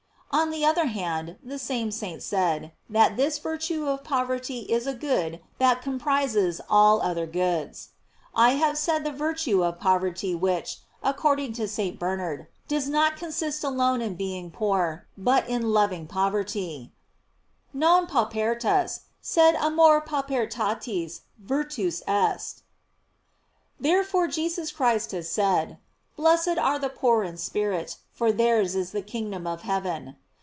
On the other hand, the same saint said, that this virtue of poverty is a good that comprises all other goods. I have said the virtue of poverty which, according to St. Bernard, does not consist alone in being poor, but in loving poverty: "Non paupertas, sed amor paupertatis virtus est." Therefore Jesus Christ has said: "Blessed are the poor in spirit, for theirs is the kingdom of heaven.